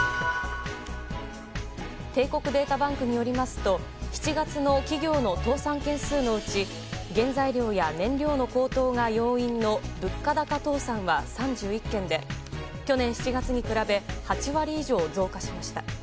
帝国データバンクによりますと７月の企業の倒産件数のうち原材料や燃料の高騰が要因の物価高倒産は３１件で去年７月に比べ８割以上増加しました。